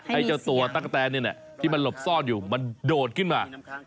ให้เจาะตักกะแตนนี่เนี่ยที่มันหลบซ่อนอยู่มันโดดขึ้นมา